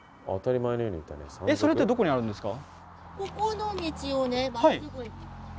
それってどこにあるんですか？